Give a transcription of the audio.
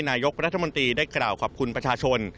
นายกรัฐมนตรีได้กล่าวขอบคุณประชาชน